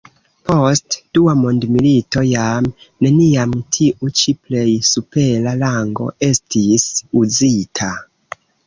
Post dua mondmilito jam neniam tiu ĉi plej supera rango estis uzita.